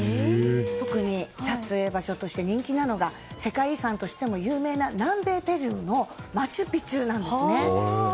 特に撮影場所として人気なのが世界遺産としても有名な南米ペルーのマチュピチュなんですね。